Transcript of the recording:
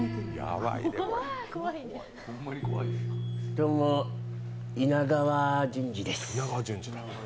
どうも、「稲」川淳二です。